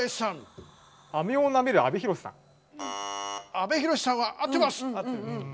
阿部寛さんは合ってます。